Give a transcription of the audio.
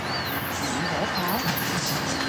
你可靠？